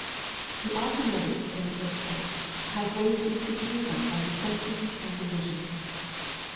We ought to notice, in the first place, how great is Ike evil of dissensions and divisions.